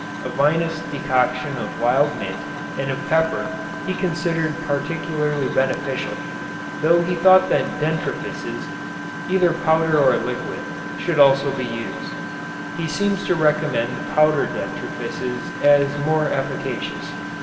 A vinous decoction of wild mint and of pepper he considered particularly beneficial, though he thought that dentifrices, either powder or liquid, should also be used. He seems to recommend the powder dentifrices as more efficacious.